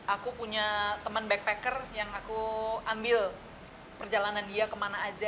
aku punya teman backpacker yang aku ambil perjalanan dia kemana aja